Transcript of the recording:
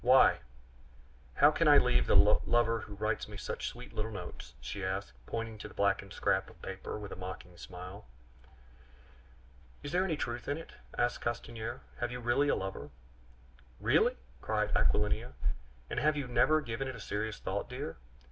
why, how can I leave the lover who writes me such sweet little notes?" she asked, pointing to the blackened scrap of paper with a mocking smile. "Is there any truth in it?" asked Castanier. "Have you really a lover?" "Really!" cried Aquilina; "and have you never given it a serious thought, dear?